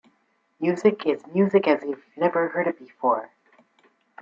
Musik is music as you've never heard it before.